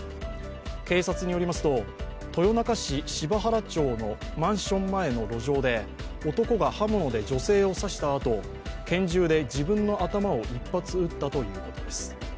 警察によりますと豊中市柴原町のマンション前の路上で男が刃物で女性を刺したあと、拳銃で自分の頭を一発撃ったということです。